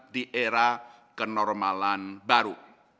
di era kenormalan baru